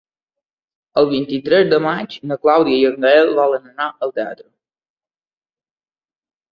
El vint-i-tres de maig na Clàudia i en Gaël volen anar al teatre.